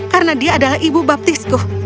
karena dia adalah ibu baptisku